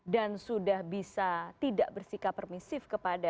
dan sudah bisa tidak bersikap permisif kepada